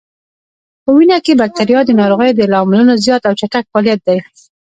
په وینه کې بکتریا د ناروغیو د لاملونو زیات او چټک فعالیت دی.